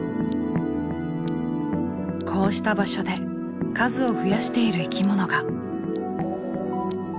こうした場所で数を増やしている生き物が。